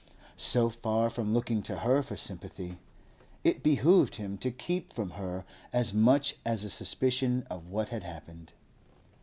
So far from looking to her for sympathy, it behoved him to keep from her as much as a suspicion of what had happened.